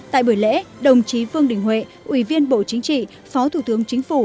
tại buổi lễ đồng chí vương đình huệ ủy viên bộ chính trị phó thủ tướng chính phủ